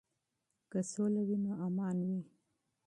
که سوله وي نو امان وي.